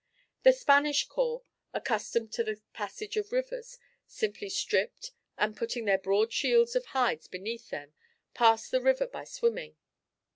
The Spanish corps, accustomed to the passage of rivers, simply stripped, and putting their broad shields of hides beneath them, passed the river by swimming.